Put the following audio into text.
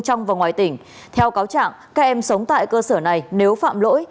trong và ngoài tỉnh theo cáo trạng các em sống tại cơ sở này nếu phạm lỗi